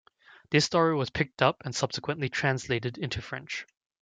This story was picked up and subsequently translated into French.